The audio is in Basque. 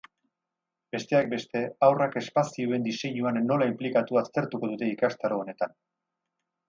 Besteak beste, haurrak espazioen diseinuan nola inplikatu aztertuko dute ikastaro honetan.